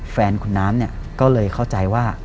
แฟนคุณน้ำเนี่ยก็เลยเข้าใจว่า